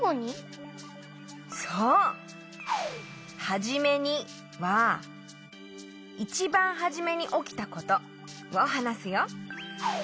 「はじめに」はいちばんはじめにおきたことをはなすよ。